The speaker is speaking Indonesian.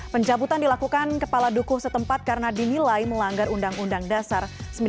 pencabutan dilakukan kepala dukuh setempat karena dinilai melanggar undang undang dasar seribu sembilan ratus empat puluh